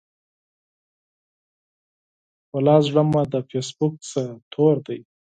ولا زړه مو د فیسبوک څخه تور دی.